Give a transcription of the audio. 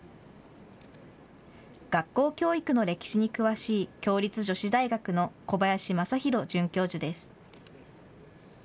学校教育の歴史に詳しい共立女子大学の小林正泰准教授です。